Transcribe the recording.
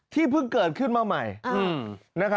เพิ่งเกิดขึ้นมาใหม่